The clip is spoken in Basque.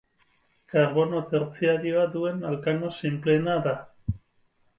Karbono tertziarioa duen alkano sinpleena da.